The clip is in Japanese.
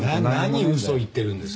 何嘘を言ってるんですか。